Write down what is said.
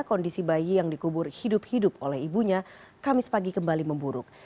kondisi bayi yang dikubur hidup hidup oleh ibunya kamis pagi kembali memburuk